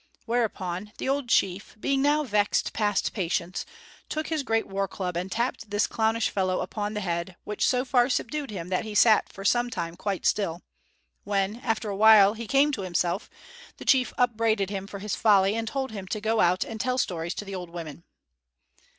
whereupon the old chief, being now vexed past patience, took his great war club and tapped this clownish fellow upon the head, which so far subdued him that he sat for some time quite still; when, after a while, he came to himself, the chief upbraided him for his folly and told him to go out and tell stories to the old women.